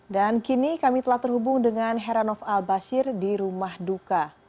dan kini kami telah terhubung dengan heranov al bashir di rumah duka